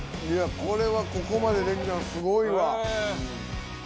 これはここまでできたのすごいわ！